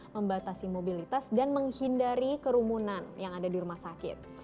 membatasi mobilitas dan menghindari kerumunan yang ada di rumah sakit